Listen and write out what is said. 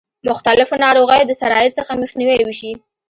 مختلفو ناروغیو د سرایت څخه مخنیوی وشي.